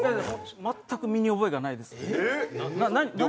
全く身に覚えがないです。